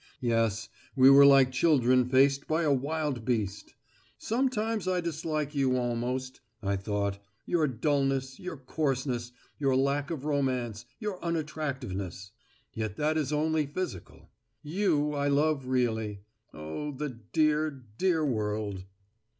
Yes, we were like children faced by a wild beast. "Sometimes I dislike you almost," I thought; "your dulness, your coarseness, your lack of romance, your unattractiveness. Yet that is only physical. You, I love really. Oh, the dear, dear world!"